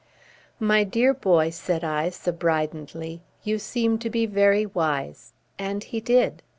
"My dear boy," said I, subridently, "you seem to be very wise." And he did.